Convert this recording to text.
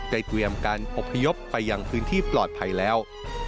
เตรียมการอบพยพไปยังพื้นที่ปลอดภัยแล้ว